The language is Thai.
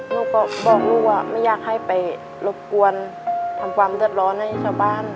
ลูกก็บอกลูกว่าไม่อยากให้ไปรบกวนทำความเดือดร้อนให้ชาวบ้าน